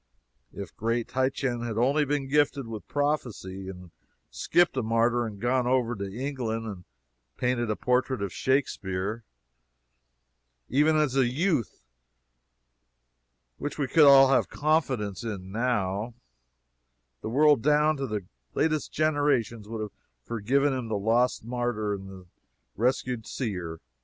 If great Titian had only been gifted with prophecy, and had skipped a martyr, and gone over to England and painted a portrait of Shakspeare, even as a youth, which we could all have confidence in now, the world down to the latest generations would have forgiven him the lost martyr in the rescued seer.